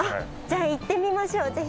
じゃあ行ってみましょうぜひ。